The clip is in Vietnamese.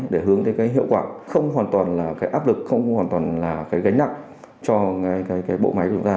để hướng tới cái hiệu quả không hoàn toàn là cái áp lực không hoàn toàn là cái gánh nặng cho cái bộ máy của chúng ta